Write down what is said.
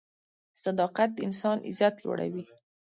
صداقت د انسان عزت لوړوي.